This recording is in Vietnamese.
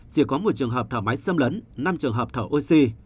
chỉ có một trường hợp thở máy xâm lấn năm trường hợp thở oxy